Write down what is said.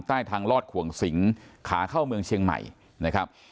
ใต้ทางลอดขวงสิงขาเข้าเมืองเชียงใหม่นะครับ